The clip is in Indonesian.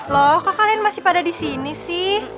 loh kak kalian masih pada di sini sih